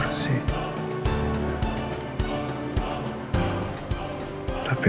rumahnya masih rapi